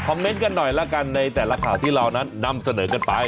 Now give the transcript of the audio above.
เมนต์กันหน่อยละกันในแต่ละข่าวที่เรานั้นนำเสนอกันไป